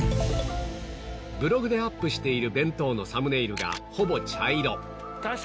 ブログでアップしている弁当のサムネイルがほぼ茶色